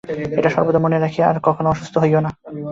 এইটি সর্বদা মনে রাখিয়া আর কখনও অসুস্থ হইও না।